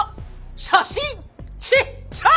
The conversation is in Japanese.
写真ちっちゃ！